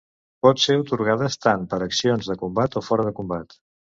Pot ser atorgades tant per accions de combat o fora de combat.